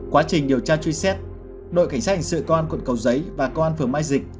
quá trình điều tra truy xét đội cảnh sát hình sự công an quận cầu giấy và công an phường mai dịch